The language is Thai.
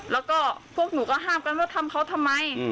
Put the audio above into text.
แล้วก็พวกหนูก็ห้ามกันว่าทำเขาทำไม